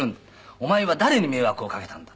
「お前は誰に迷惑をかけたんだ」。